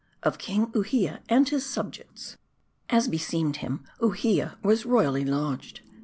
OF KING UHIA AND HIS SUBJECTS. As beseemed him, Uhia was royally lodged.